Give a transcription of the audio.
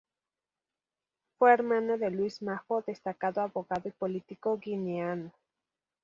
Fue hermano de Luis Maho, destacado abogado y político guineano.